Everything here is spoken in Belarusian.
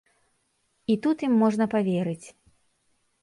І тут ім можна паверыць.